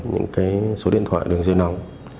những số điện thoại đường dây nòng